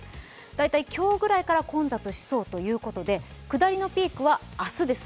大体今日ぐらいから混雑しそうということで、下りのピークは明日です。